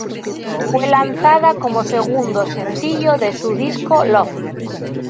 Fue lanzada como segundo sencillo de su disco "Love?".